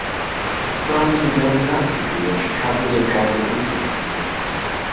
Franz began his acting career at Chicago's Organic Theater Company.